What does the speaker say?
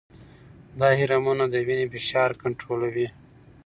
دا هرمونونه د وینې فشار کنټرولوي.